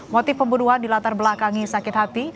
motif pembunuhan di latar belakangi sakit hati